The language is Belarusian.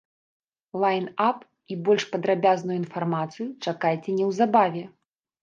Лайн-ап і больш падрабязную інфармацыю чакайце неўзабаве.